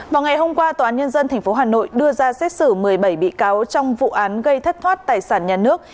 vào ngày hôm qua tòa án nhân dân tp hà nội đưa ra xét xử một mươi bảy bị cáo trong vụ án gây thất thoát tài sản nhà nước